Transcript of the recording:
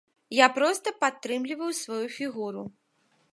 Я проста падтрымліваю сваю фігуру.